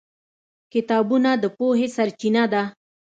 کتابونه د پوهې سرچینه ده.